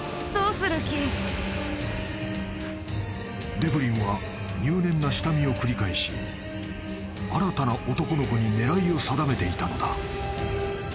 ［デブリンは入念な下見を繰り返し新たな男の子に狙いを定めていたのだ］